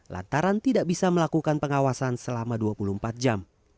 lantaran tidak bisa melakukan pengawasan selama dua puluh empat jam